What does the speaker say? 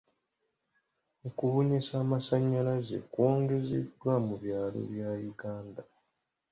Okubunyisa amasannyalaze kwongezeddwa mu byalo bya Uganda.